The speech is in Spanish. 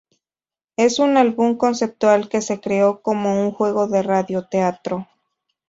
Es un álbum conceptual que se creó como un juego de radio teatro.